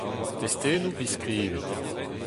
Testennoù bizskrivet.